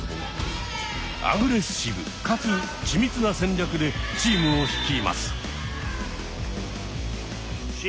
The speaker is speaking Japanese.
アグレッシブかつ緻密な戦略でチームを率います。